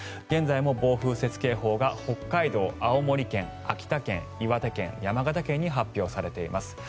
現在も暴風雪警報が北海道、青森県、秋田県岩手県、山形県に発表されています。